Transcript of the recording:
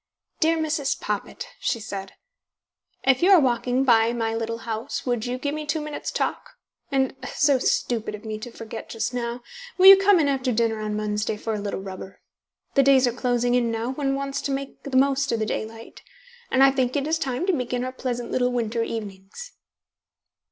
"Dear Mrs. Poppit," she said, "if you are walking by my little house, would you give me two minutes' talk? And so stupid of me to forget just now will you come in after dinner on Wednesday for a little rubber? The days are closing in now; one wants to make the most of the daylight, and I think it is time to begin our pleasant little winter evenings."